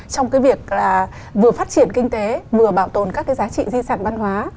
trong cái việc là vừa phát triển kinh tế vừa bảo tồn các cái giá trị di sản văn hóa